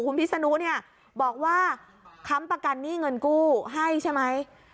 คุณพิษนุเนี่ยบอกว่าค้ำประกันหนี้เงินกู้ให้ใช่ไหม